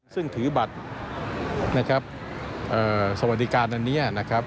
ซึ่งถือบัตรสวัสดิการอันนี้